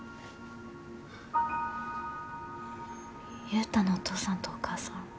悠太のお父さんとお母さん